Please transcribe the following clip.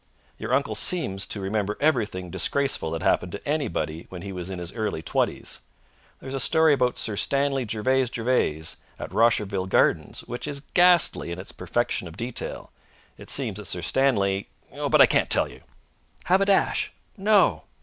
Your uncle seems to remember everything disgraceful that happened to anybody when he was in his early twenties. There is a story about Sir Stanley Gervase Gervase at Rosherville Gardens which is ghastly in its perfection of detail. It seems that Sir Stanley but I can't tell you!" "Have a dash!" "No!"